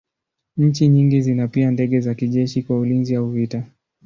Nchi nyingi zina pia ndege za kijeshi kwa ulinzi au vita.